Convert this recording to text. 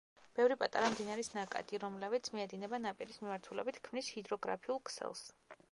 ბევრი პატარა მდინარის ნაკადი, რომლებიც მიედინება ნაპირის მიმართულებით, ქმნის ჰიდროგრაფიულ ქსელს.